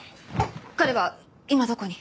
彼は今どこに？